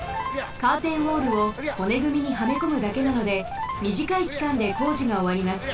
カーテンウォールをほねぐみにはめこむだけなのでみじかいきかんで工事がおわります。